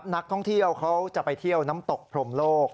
นักท่องเที่ยวเขาจะไปเที่ยวน้ำตกพรมโลก